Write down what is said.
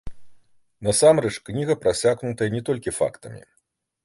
Насамрэч, кніга прасякнутая не толькі фактамі.